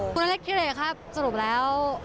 คุณอเล็กที่ไหนคะสรุปแล้ว